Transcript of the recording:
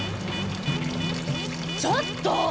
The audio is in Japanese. ちょっと！